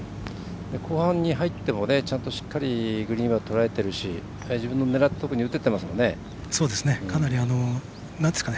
後半に入ってもしっかりグリーンはとらえてるし自分の狙ったところに打てていますもんね。